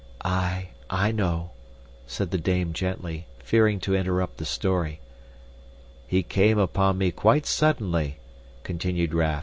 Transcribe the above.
"Aye, I know," said the dame gently, fearing to interrupt the story. "He came upon me quite suddenly," continued Raff.